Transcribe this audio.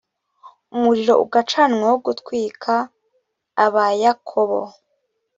umuriro ugacanwa wo gutwika abayakobo